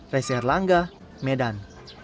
reza erlangga medan